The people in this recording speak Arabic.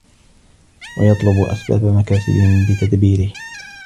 وَيَطْلُبُوا أَسْبَابَ مَكَاسِبِهِمْ بِتَدْبِيرِهِ